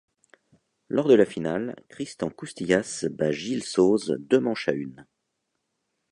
Lors de la finale, Christian Coustillas bat Gilles Sauze deux manches à une.